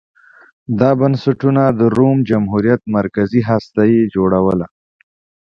دا بنسټونه د روم جمهوریت مرکزي هسته یې جوړوله